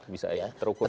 bisa terukur ya